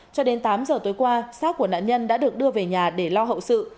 cho đến tám giờ tối qua sát của nạn nhân đã được đưa về nhà để lo hậu sự